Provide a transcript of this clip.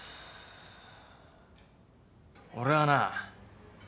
俺はな。